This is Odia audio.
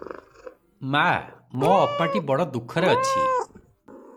ମା! ମୋ ଅପାଟି ବଡ଼ ଦୁଃଖରେ ଅଛି ।